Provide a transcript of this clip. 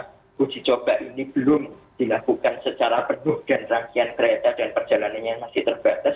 karena masa uji coba ini belum dilakukan secara penuh dan rangkaian kereta dan perjalanannya masih terbatas